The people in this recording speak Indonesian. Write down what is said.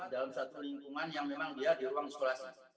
dalam satu lingkungan yang memang dia di ruang sekolah